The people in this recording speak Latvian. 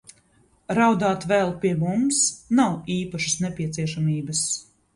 Raudāt vēl - pie mums - nav īpašas nepieciešamības.